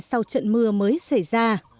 sau trận mưa mới xảy ra